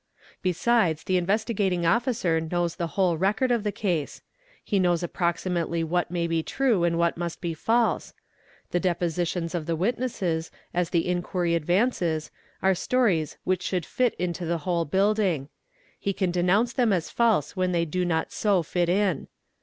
_ Besides the Investigating Officer knows the whole record of the case; he _ knows approximately what may be true and what must be false; the + al "depositions of the witnesses as the inquiry advances are stories which should fit into the whole building ; he can denounce them as false when : they do not so fit in.